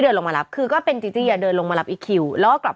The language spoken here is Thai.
ลงมารับคือก็เป็นจีจี้อ่ะเดินลงมารับอีคิวแล้วก็กลับ